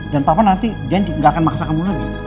dan papa nanti janji gak akan maksa kamu lagi